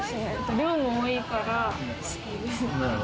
量も多いから好きです。